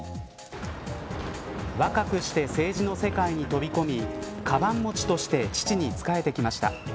若くして政治の世界に飛び込みかばん持ちとして父に仕えてきました。